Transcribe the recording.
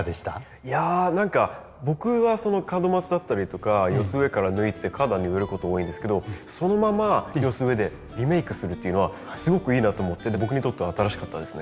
いや何か僕は門松だったりとか寄せ植えから抜いて花壇に植えること多いんですけどそのまま寄せ植えでリメイクするっていうのはすごくいいなと思って僕にとっては新しかったですね。